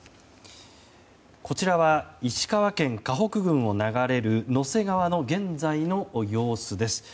こちらは石川県河北郡を流れるの瀬川の現在の様子です。